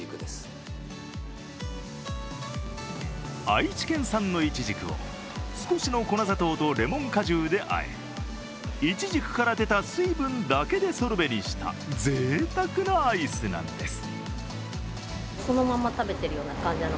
愛知県産のいちじくを少しの粉砂糖とレモン果汁で和え、いちじくから出た水分だけでソルベにしたぜいたくなアイスなんです。